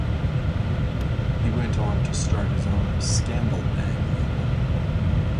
He went on to start his own Scandal Bag label.